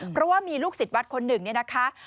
เพราะว่ามีลูกศิษย์วัดคนหนึ่งเนี่ยนะคะ